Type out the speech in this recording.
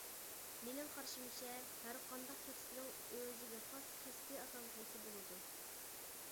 مېنىڭ قارىشىمچە، ھەرقانداق كەسىپنىڭ ئۆزىگە خاس كەسپىي ئاتالغۇسى بولىدۇ.